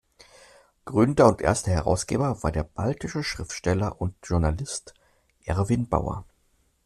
Gründer und erster Herausgeber war der baltische Schriftsteller und Journalist Erwin Bauer.